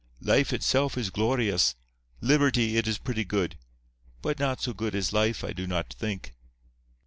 Life itself is glorious. Liberty, it is pretty good; but so good as life I do not think.